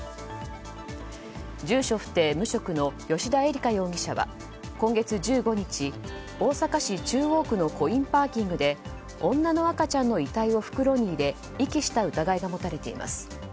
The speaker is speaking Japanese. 住所不定・無職の吉田絵里佳容疑者は今月１５日、大阪市中央区のコインパーキングで女の赤ちゃんの遺体を袋に入れ遺棄した疑いが持たれています。